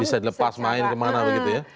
bisa dilepas main kemana begitu ya